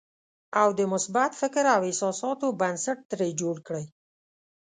او د مثبت فکر او احساساتو بنسټ ترې جوړ کړئ.